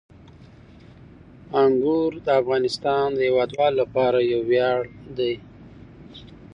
انګور د افغانستان د هیوادوالو لپاره یو ویاړ دی.